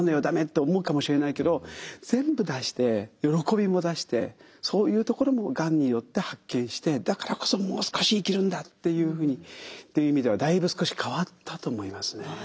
駄目」って思うかもしれないけど全部出して喜びも出してそういうところもがんによって発見してだからこそもう少し生きるんだっていうふうにっていう意味ではだいぶ少し変わったと思いますね。